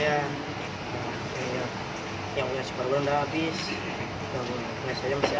yang punya sebaru beranda habis yang punya saya masih ada